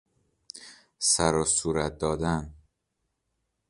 سروصورت دادن